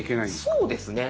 そうですね。